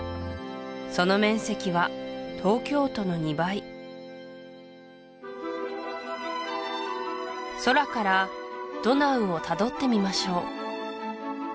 その面積は東京都の２倍空からドナウをたどってみましょう